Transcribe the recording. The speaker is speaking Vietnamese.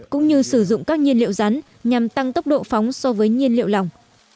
cũng như sử dụng các nhiên liệu rắn nhằm tăng tốc độ phóng so với nhiên liệu lỏng